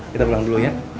kita pulang dulu ya